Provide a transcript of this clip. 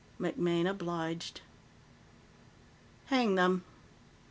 MacMaine obliged. "Hang them.